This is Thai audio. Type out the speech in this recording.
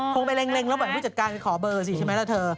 อ๋อนั่นแหละนะครับคงไปเร็งแล้วบ่อยผู้จัดการขอเบอร์สิใช่ไหมล่ะเธอ